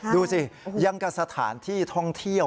ดูสิยังกับสถานที่ท่องเที่ยว